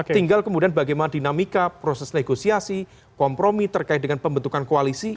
tinggal kemudian bagaimana dinamika proses negosiasi kompromi terkait dengan pembentukan koalisi